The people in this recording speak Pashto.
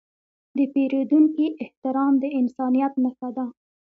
د پیرودونکي احترام د انسانیت نښه ده.